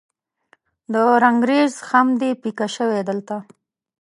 د رنګریز خم دې پیکه شوی دلته